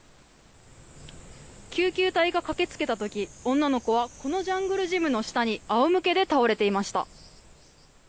救急隊が駆け付けた時女の子はこのジャングルジムの下にあおむけで倒れていました。